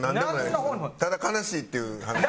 ただ悲しいっていう話。